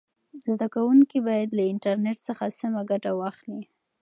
زده کوونکي باید له انټرنیټ څخه سمه ګټه واخلي.